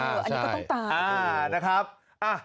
อันนี้ก็ต้องตาม